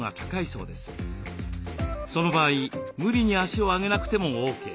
その場合無理に足を上げなくてもＯＫ。